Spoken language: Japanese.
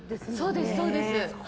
そうです、そうです。